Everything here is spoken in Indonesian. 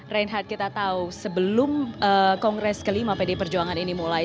reinhardt kita tahu sebelum kongres kelima pd perjuangan ini mulai